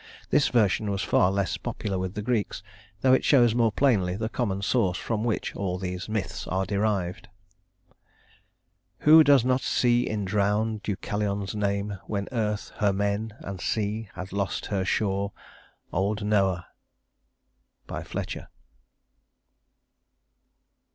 This version was far less popular with the Greeks, though it shows more plainly the common source from which all these myths are derived. "Who does not see in drowned Deucalion's name, When Earth her men, and Sea had lost her shore, Old Noah!" FLETCHER.